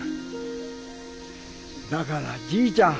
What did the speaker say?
だからじいちゃん